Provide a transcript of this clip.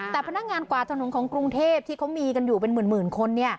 แต่พนักงานกวาดถนนของกรุงเทพที่เขามีกันอยู่เป็นหมื่นคน